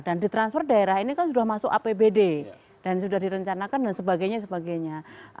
dan di transfer daerah ini kan sudah masuk apbd dan sudah direncanakan dan sebagainya sebagainya